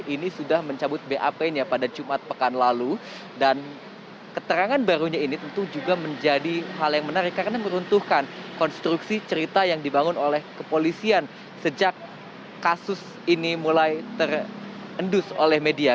ini sudah mencabut bap nya pada jumat pekan lalu dan keterangan barunya ini tentu juga menjadi hal yang menarik karena meruntuhkan konstruksi cerita yang dibangun oleh kepolisian sejak kasus ini mulai terendus oleh media